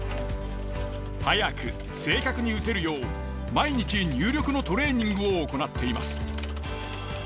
速く正確に打てるよう毎日入力のトレーニングを行っています。